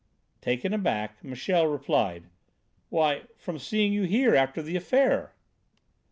Taken aback, Michel replied: "Why, from seeing you here, after the affair."